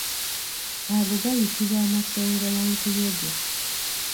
Ago gayitibwa amasongolankuyege.